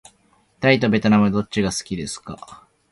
タイとべトナムどっちが好きですか。